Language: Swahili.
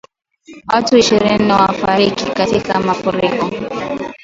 Watu ishirini wafariki katika mafuriko